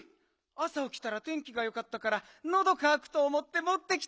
あさおきたら天気がよかったからのどかわくとおもってもってきたんだった。